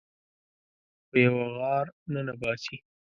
په یوه غار ننه باسي